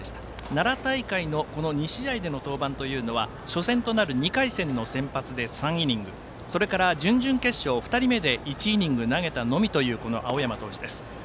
奈良大会の２試合での登板は初戦となる２回戦の先発で３イニングそれから準々決勝２人目で１イニング投げたのみといいうこの青山投手。